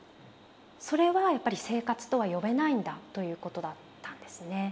それはやっぱり生活とは呼べないんだということだったんですね。